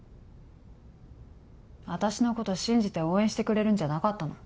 私のこと信じて応援してくれるんじゃなかったの？